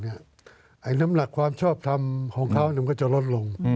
น้ำหนักความชอบทำของเขามันก็จะลดลง